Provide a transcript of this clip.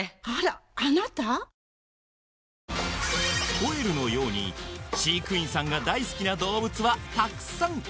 コエルのように飼育員さんが大好きな動物はたくさん！